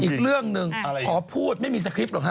อีกเรื่องหนึ่งขอพูดไม่มีสคริปตหรอกฮ